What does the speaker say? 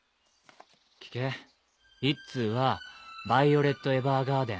聞け１通はヴァイオレット・エヴァーガーデン。